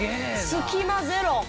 隙間ゼロ。